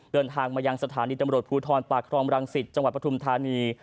เดินทางมายังสถานีตำรวจภูทรปากครองรังสิตจังหวัดปฐุมธานี